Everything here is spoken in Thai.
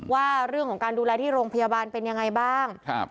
ว่าเรื่องของการดูแลที่โรงพยาบาลเป็นยังไงบ้าง